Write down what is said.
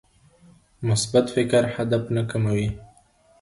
مثبت فکر هدف نه کموي.